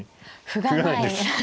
歩がないです。